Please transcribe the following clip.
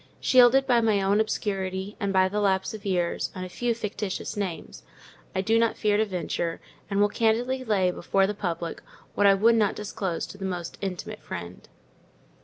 Shielded by my own obscurity, and by the lapse of years, and a few fictitious names, I do not fear to venture; and will candidly lay before the public what I would not disclose to the most intimate friend.